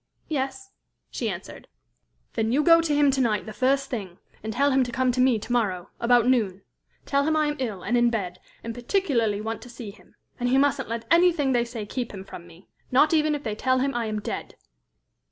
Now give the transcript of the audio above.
"Yes," she answered. "Then you go to him to night the first thing, and tell him to come to me to morrow, about noon. Tell him I am ill, and in bed, and particularly want to see him; and he mustn't let anything they say keep him from me, not even if they tell him I am dead."